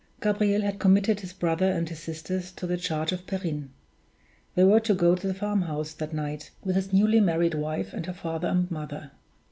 Gabriel had committed his brother and his sisters to the charge of Perrine. They were to go to the farmhouse that night with his newly married wife and her father and mother.